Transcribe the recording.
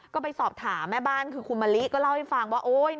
ก็ไปสอบถามแม่บ้านคือคุณมะลิก็เล่าให้ฟังว่า